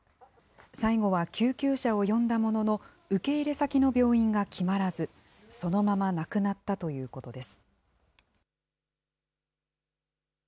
最後は救急車を呼んだものの、受け入れ先の病院が決まらず、そのまま亡くなったということです。